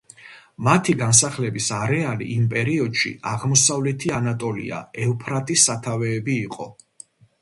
მათი განსახლების არეალი იმ პერიოდში აღმოსავლეთი ანატოლია, ევფრატის სათავეები იყო.